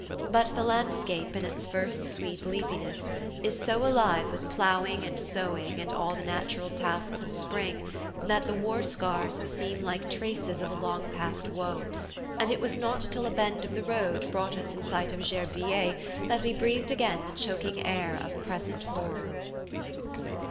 But the landscape, in its first sweet leafiness, is so alive with ploughing and sowing and all the natural tasks of spring, that the war scars seem like traces of a long past woe; and it was not till a bend of the road brought us in sight of Gerbeviller that we breathed again the choking air of present horror.